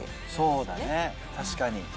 そうだね、確かに。